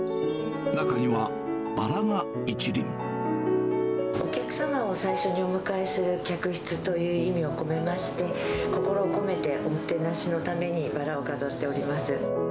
中には、お客様を最初にお迎えする客室という意味を込めまして、心を込めておもてなしのためにバラを飾っております。